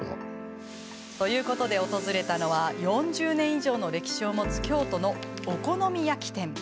訪れたのは４０年以上の歴史を持つ京都のお好み焼き店。